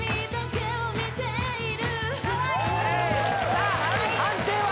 さあ判定は？